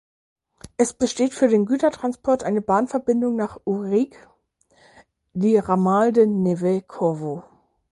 Es besteht für den Gütertransport eine Bahnverbindung nach Ourique, die Ramal de Neves-Corvo.